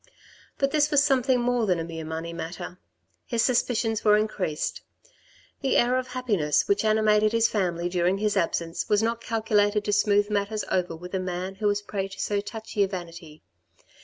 But this was something more than a mere money matter. His suspicions were increased. The air of happiness which animated his family during his absence was not calculated to smooth matters over with a man who was a prey to so touchy a vanity.